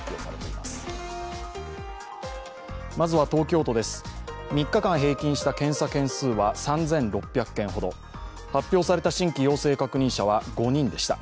まずは東京都です、３日間平均した検査件数は３６００件ほど発表された新規陽性確認者は５人でした。